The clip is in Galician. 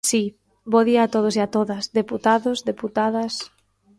Si, bo día a todos e a todas, deputados, deputadas.